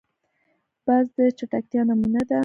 باز د چټکتیا نمونه ده